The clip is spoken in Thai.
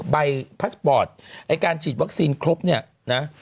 พาสปอร์ตไอ้การฉีดวัคซีนครบเนี่ยนะ